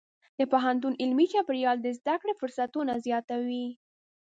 د پوهنتون علمي چاپېریال د زده کړې فرصتونه زیاتوي.